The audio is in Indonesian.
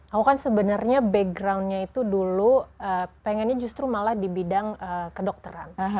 aku kan sebenarnya backgroundnya itu dulu pengennya justru malah di bidang kedokteran